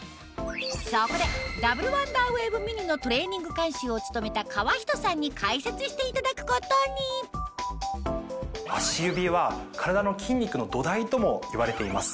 そこでダブルワンダーウェーブミニのトレーニング監修を務めた川人さんに解説していただくことにともいわれています。